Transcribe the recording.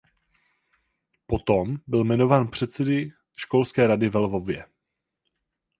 Potom byl jmenován předsedy školské rady ve Lvově.